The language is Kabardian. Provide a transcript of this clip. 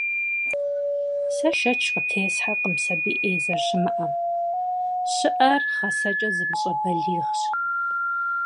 Сэ шэч къытесхьэркъым сабий Ӏей зэрыщымыӀэм, щыӀэр гъэсэкӀэ зымыщӀэ балигъщ.